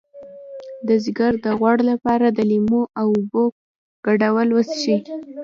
د ځیګر د غوړ لپاره د لیمو او اوبو ګډول وڅښئ